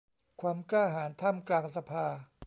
ความกล้าหาญท่ามกลางสภา